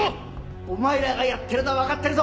お前らがやってるのはわかってるぞ！